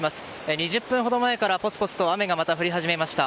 ２０分ほど前からぽつぽつとまた雨が降り始めました。